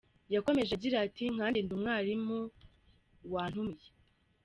Yakomeje agira ati “Nkanjye ndi umwarimu wantumiye.